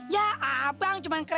ya abang cuman keren